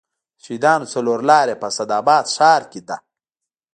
د شهیدانو څلور لارې په اسداباد ښار کې ده